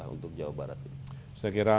untuk jawa barat ini saya kira